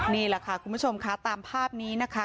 นี่แหละค่ะคุณผู้ชมค่ะตามภาพนี้นะคะ